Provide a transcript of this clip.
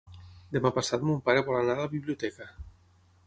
Demà passat mon pare vol anar a la biblioteca.